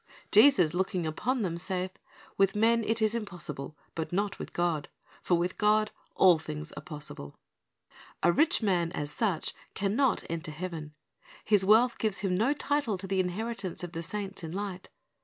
"Jesus looking upon them saith, With men it is impossible, but not with God; for with God all things are possible." A rich man, as such, can not enter heaven. His wealth gives him no title to the inheritance of the saints in light.